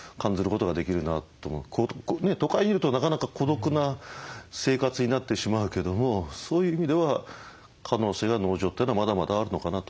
都会にいるとなかなか孤独な生活になってしまうけどもそういう意味では可能性は農場というのはまだまだあるのかなと思いますよね。